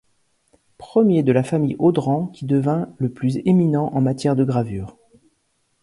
Premier de la famille Audran qui devint le plus éminent en matière de gravure.